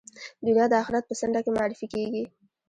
دنیا د آخرت په څنډه کې معرفي کېږي.